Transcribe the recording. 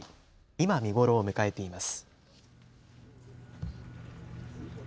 今、見頃を迎えています。